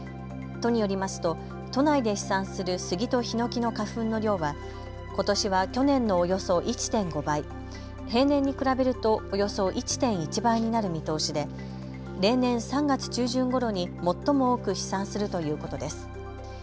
都によりますと都内で飛散するスギとヒノキの花粉の量はことしは去年のおよそ１．５倍、平年に比べるとおよそ１．１倍になる見通しで例年３月中旬ごろに最も多く飛散するということです。